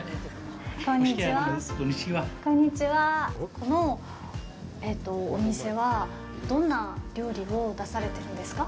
このお店はどんな料理を出されているんですか。